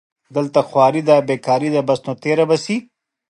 دلته خواري دې بېکاري ده بس نو تېره به شي